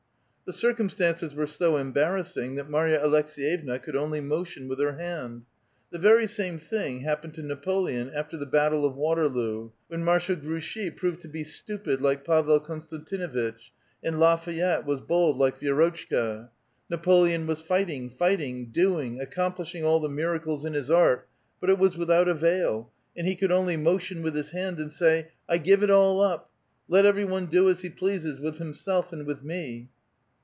" The circumstances were so embarrassing that Marya Aleks6yevna could only motion with her hand. The very same thing happened to Napoleon after the Battle of Water loo, when Marshal Grouchy proved to be stupid like Pavel Konstantinuitch, and La Fayette was bold like Vi^rotchka ; Napoleon was fighting, fighting — doing, accomplishing all the miracles in his art — but it was without avail, and he could onh* motion with his hand, and say, " I give it all up ; let every one do as he pleases, with himself and with me."